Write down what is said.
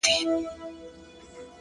د وخت خدايان که چي زر ځلې په کافر وبولي;